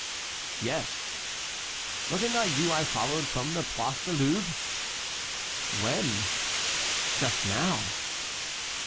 "Yes." "Was it not you I followed from the Place du Louvre?" "When?" "Just now."